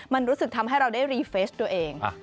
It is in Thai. มันรู้สึกทำให้เราได้รีเฟสตัวเอง